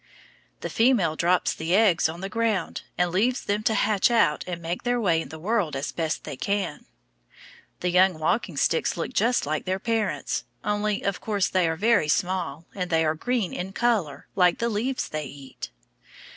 The female drops the eggs on the ground, and leaves them to hatch out and make their way in the world as best they can. The young walking sticks look just like their parents, only of course they are very small, and they are green in color, like the leaves they eat.